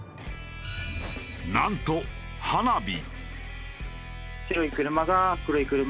なんと花火。